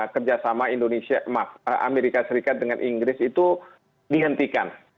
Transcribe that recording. kerjasama amerika serikat dengan inggris itu dihentikan